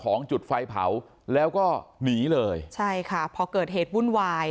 จุดไฟเผาแล้วก็หนีเลยใช่ค่ะพอเกิดเหตุวุ่นวาย